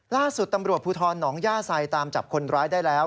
ล่าสุดตำรวจภูทรหนองย่าไซตามจับคนร้ายได้แล้ว